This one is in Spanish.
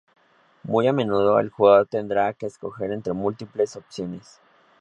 Muy a menudo, el jugador tendrá que escoger entre múltiples opciones.